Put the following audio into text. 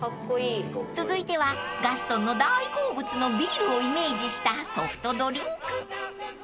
［続いてはガストンの大好物のビールをイメージしたソフトドリンク］